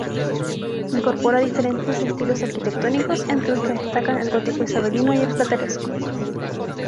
Incorpora diferentes estilos arquitectónicos, entre los que destacan el gótico isabelino y el plateresco.